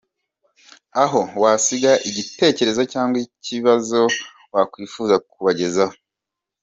com aho wasiga igitekerezo cyangwa ikibazo wakwifuza kubagezaho.